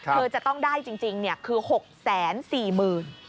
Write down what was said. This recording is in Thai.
เธอจะต้องได้จริงคือ๖๔๐๐๐บาท